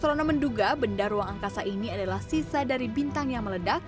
corona menduga benda ruang angkasa ini adalah sisa dari bintang yang meledak